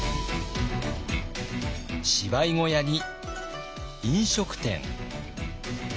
芝居小屋に飲食店。